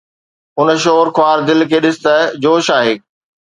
اُن شور، خوار دل کي ڏس ته جوش آهي